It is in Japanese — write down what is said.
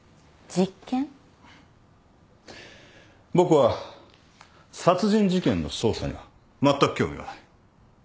僕は殺人事件の捜査にはまったく興味がない。